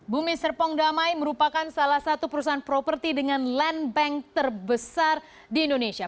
bumi serpong damai merupakan salah satu perusahaan properti dengan land bank terbesar di indonesia